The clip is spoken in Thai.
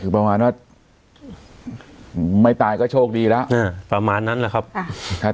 ประมาณนั้นไม่ตายก็โชคดีแล้วอ่าประมาณนั้นแหละครับอ่า